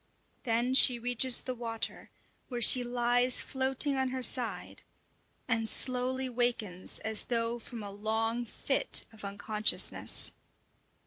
Then she reaches the water, where she lies floating on her side, and slowly wakens as though from a long fit of unconsciousness.